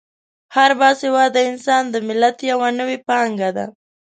هر با سواده انسان د ملت یوه نوې پانګه ده.